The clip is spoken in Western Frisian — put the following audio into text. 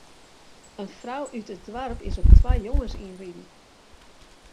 In frou út it doarp is op twa jonges ynriden.